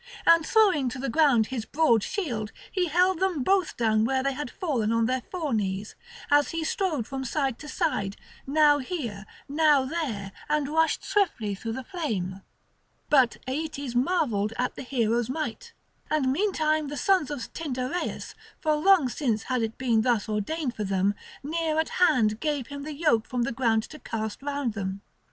And throwing to the ground his broad shield, he held them both down where they had fallen on their fore knees, as he strode from side to side, now here, now there, and rushed swiftly through the flame. But Aeetes marvelled at the hero's might. And meantime the sons of Tyndareus for long since had it been thus ordained for them—near at hand gave him the yoke from the ground to cast round them.